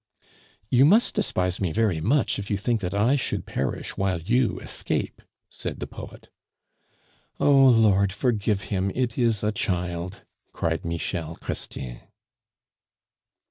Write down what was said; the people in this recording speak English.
"You must despise me very much, if you think that I should perish while you escape," said the poet. "O Lord, forgive him; it is a child!" cried Michel Chrestien.